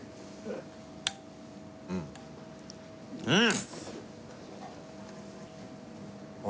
うんうん！